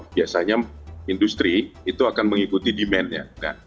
biasanya industri itu akan mengikuti demand nya